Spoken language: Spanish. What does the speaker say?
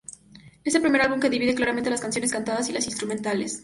Es el primer álbum que divide claramente las canciones cantadas y las instrumentales.